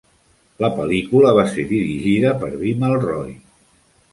La pel·lícula va ser dirigida per Bimal Roy.